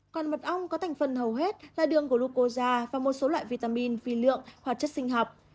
còn mật ong có thành phần hầu hết là đường glucosa và một số loại vitamin phi lượng hoặc chất sinh học